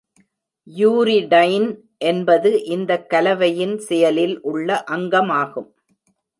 Uridine என்பது இந்த கலவையின் செயலில் உள்ள அங்கமாகும்.